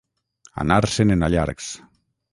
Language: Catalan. Anar-se'n en allargs.